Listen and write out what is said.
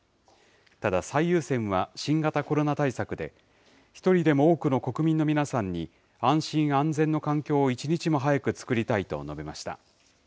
ただ、最優先は新型コロナ対策で、一人でも多くの国民の皆さんに、安心安全の環境を一日も早く作りたいと述べました。